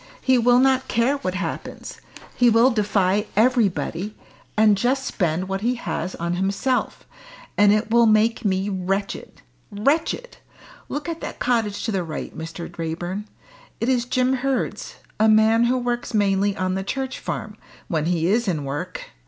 He will not care what happens. He will defy everybody, and just spend what he has on himself. And it will make me wretched wretched. Look at that cottage to the right, Mr. Raeburn. It is Jim Hurd's a man who works mainly on the Church Farm, when he is in work.